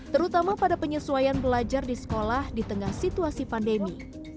terutama pada penyesuaian belajar di sekolah di tengah situasi pandemi